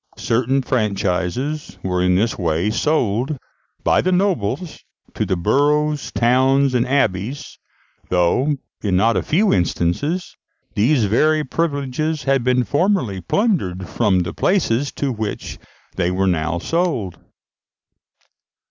Certain franchises were in this way sold by the nobles to the boroughs, towns, and abbeys, though, in not a few instances, these very privileges had been formerly plundered from the places to which they were now sold.